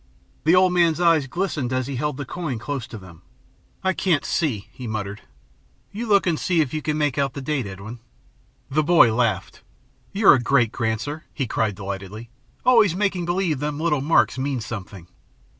The old man's eyes glistened, as he held the coin close to them. "I can't see," he muttered. "You look and see if you can make out the date, Edwin." The boy laughed. "You're a great Granser," he cried delightedly, "always making believe them little marks mean something."